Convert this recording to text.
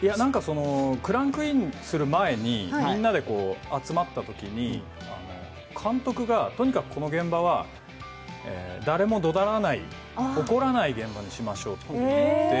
クランクインする前にみんなで集まったときに、監督が、とにかくこの現場は誰もどならない、怒らない現場にしましょうって。